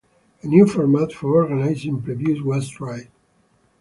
A new format for organizing previews was tried.